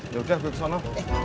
yaudah gue kesana